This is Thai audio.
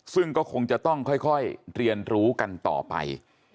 ซึ่งก็คงจะต้องค่อยเรียนรู้กันต่อไป